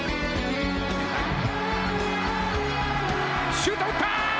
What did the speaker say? シュート打った！